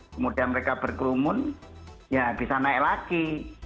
kemudian mereka berkerumun ya bisa naik lagi